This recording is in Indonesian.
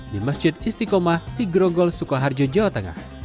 di masjid istiqomah di grogol sukoharjo jawa tengah